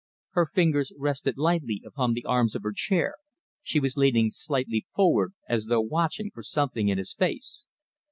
Her fingers rested lightly upon the arms of her chair, she was leaning slightly forward as though watching for something in his face.